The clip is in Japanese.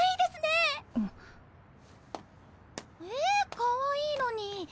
ええかわいいのに。